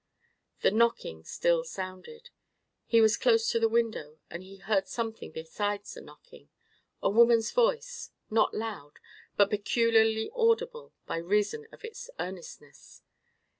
The knocking still sounded. He was close to the window, and he heard something besides the knocking—a woman's voice, not loud, but peculiarly audible by reason of its earnestness.